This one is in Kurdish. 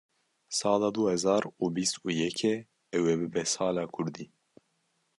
sala du hezar û bîst û yekê ew ê bibe sala kurdî.